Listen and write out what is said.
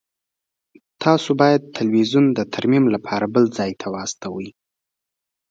تاسو باید تلویزیون د ترمیم لپاره بل ځای ته واستوئ